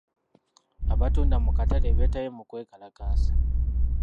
Abatunda mu katale beetabye mu kwekalakaasa.